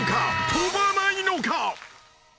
とばないのか？］